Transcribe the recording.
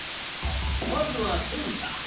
まずはセンサ。